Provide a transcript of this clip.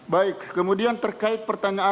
baik kemudian terkait pertanyaan